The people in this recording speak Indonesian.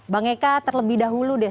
bang eka terlebih dahulu deh